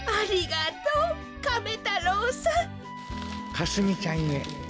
「かすみちゃんへ。